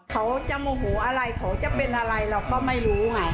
เขาจะโมโหอะไรเขาจะเป็นอะไรเราก็ไม่รู้ไง